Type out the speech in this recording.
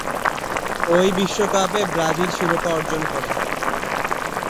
ওই বিশ্বকাপে ব্রাজিল শিরোপা অর্জন করে।